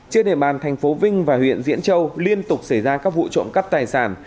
trên đề bàn tp vinh và huyện diễn châu liên tục xảy ra các vụ trộm cắp tài sản